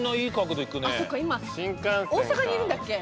そっか今大阪にいるんだっけ。